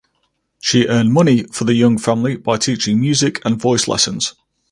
She earned money for the young family by teaching music and voice lessons.